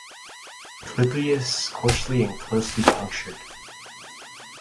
Clypeus coarsely and closely punctured.